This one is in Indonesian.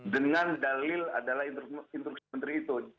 dengan dalil adalah instruksi menteri itu